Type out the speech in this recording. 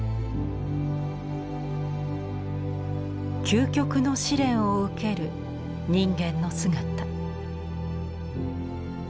究極の試練を受ける人間の姿。